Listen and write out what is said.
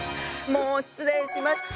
もう失礼しました。